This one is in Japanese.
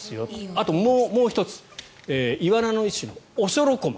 あともう１つイワナの一種のオショロコマ。